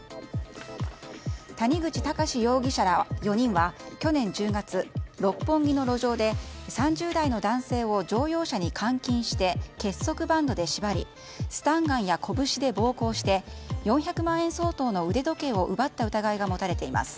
谷口健志容疑者ら４人は去年１０月六本木の路上で３０代の男性を乗用車に監禁して結束バンドで縛りスタンガンや拳で暴行して４００万円相当の腕時計を奪った疑いが持たれています。